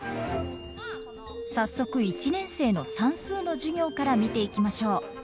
早速１年生の算数の授業から見ていきましょう。